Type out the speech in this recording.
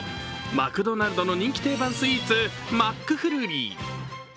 マクドナルドの人気定番スイーツ、マックフルーリー。